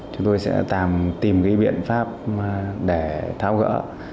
chúng tôi sẽ tìm biện pháp để tháo gỡ